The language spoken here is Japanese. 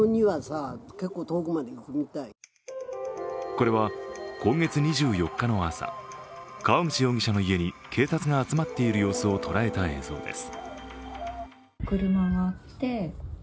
これは今月２４日の朝川口容疑者の家に警察が集まっている様子を捉えた映像です。